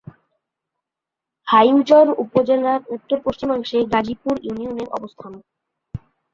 হাইমচর উপজেলার উত্তর-পশ্চিমাংশে গাজীপুর ইউনিয়নের অবস্থান।